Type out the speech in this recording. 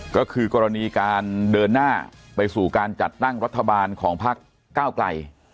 ก็คือกรณีการเดินหน้าไปสู่การจัดตั้งรัฐบาลของพักก้าวไกล